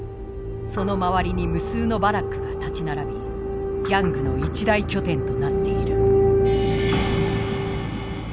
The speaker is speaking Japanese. その周りに無数のバラックが建ち並びギャングの一大拠点となっている。